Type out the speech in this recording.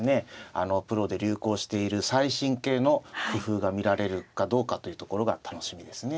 あのプロで流行している最新型の工夫が見られるかどうかというところが楽しみですね。